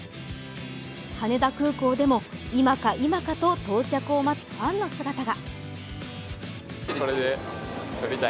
羽田空港でも今か今かと到着を待つファンの姿が。